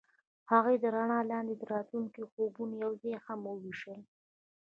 هغوی د رڼا لاندې د راتلونکي خوبونه یوځای هم وویشل.